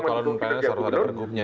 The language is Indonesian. kalau non pns orang ada pergubnya ya